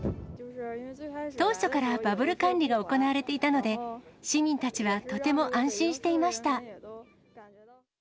当初からバブル管理が行われていたので、市民たちはとても安心していました。